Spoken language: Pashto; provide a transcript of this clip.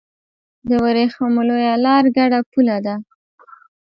د ورېښمو لویه لار ګډه پوله ده.